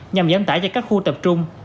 nhằm giám tải cho các khu tập trung